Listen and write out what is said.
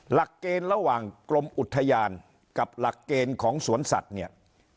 หลักเกณฑ์ระหว่างกรมอุทยานกับหลักเกณฑ์ของสวนสัตว์เนี่ย